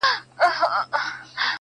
چي مي لاستی له خپل ځانه دی نړېږم،